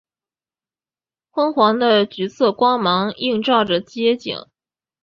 昏黄的橘色光芒映照着街景